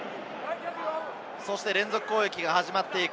連続攻撃が始まっていく。